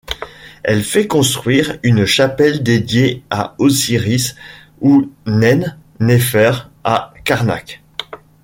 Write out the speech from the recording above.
Elle fait construire une chapelle dédiée à Osiris Ounen-Néfer à Karnak.